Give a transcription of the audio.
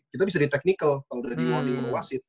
kita bisa di technical kalau udah di morning wasit